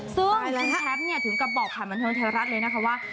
ซึ่งคุณแชมป์ถึงกับบอกผ่านบันเทิงไทยรัฐเลยนะคะว่า